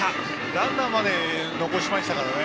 ランナーまで残しましたからね。